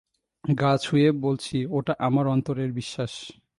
গা ছুঁয়ে বলছি ওটা আমার অন্তরের বিশ্বাস!